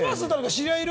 知り合い、いる？